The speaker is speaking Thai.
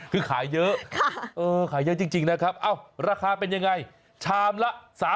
คือขายเยอะขายเยอะจริงนะครับราคาเป็นยังไงชามละ๓๐